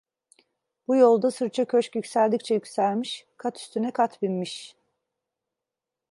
Bu yolda sırça köşk yükseldikçe yükselmiş, kat üstüne kat binmiş.